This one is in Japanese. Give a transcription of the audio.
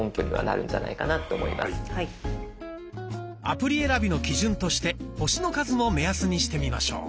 アプリ選びの基準として「星の数」も目安にしてみましょう。